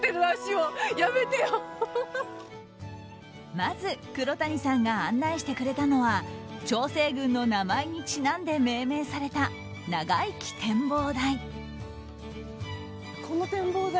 まず黒谷さんが案内してくれたのは長生郡の名前にちなんで命名された、長生き展望台。